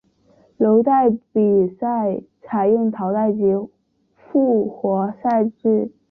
柔道比赛采用淘汰及复活赛制。